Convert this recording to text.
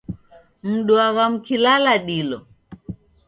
Mduagha mkilala dilo?